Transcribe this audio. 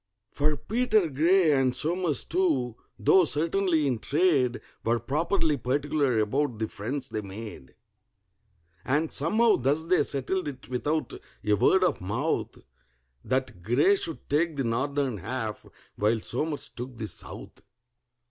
For PETER GRAY, and SOMERS too, though certainly in trade, Were properly particular about the friends they made; And somehow thus they settled it without a word of mouth— That GRAY should take the northern half, while SOMERS took the south.